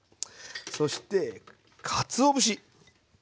そしてかつお節。